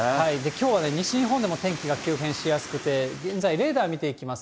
きょうはね、西日本でも天気が急変しやすくて、現在のレーダーを見てみます。